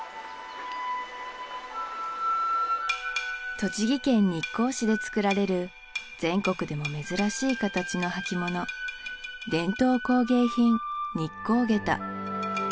栃木県日光市で作られる全国でも珍しい形の履物伝統工芸品